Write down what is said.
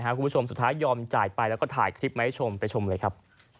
คุณผู้ชมสุดท้ายยอมจ่ายไปแล้วก็ถ่ายคลิปมาให้ชมไปชมเลยครับ